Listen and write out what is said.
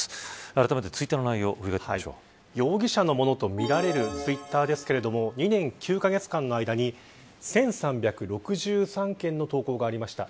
あらためてツイッターの内容を容疑者のものとみられるツイッターですが２年９カ月間の間に１３６３件の投稿がありました。